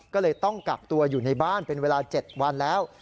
ก็เลยต้องกักตัวอยู่ในบ้านเป็นเวลา๗วันแล้ว